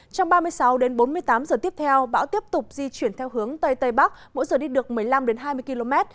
trong ba mươi sáu đến bốn mươi tám giờ tiếp theo bão tiếp tục di chuyển theo hướng tây tây bắc mỗi giờ đi được một mươi năm hai mươi km